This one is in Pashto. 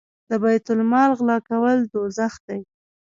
د بیت المال غلا کول دوزخ دی.